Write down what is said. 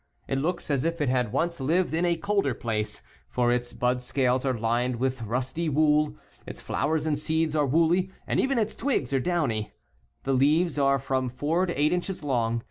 It looks as if it had once lived in a colder place, for its bud scales are lined with rusty wool, fl its flowers and seed are woolly, and even "^ its twigs are downy. The leaves are from fourto eight inches long.